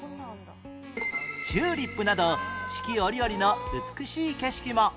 チューリップなど四季折々の美しい景色も